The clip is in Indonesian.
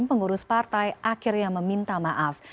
pengurus partai akhirnya meminta maaf